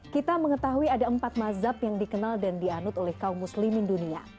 kita mengetahui ada empat mazhab yang dikenal dan dianut oleh kaum muslimin dunia